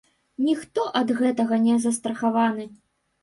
Ніхто ад гэтага не застрахаваны!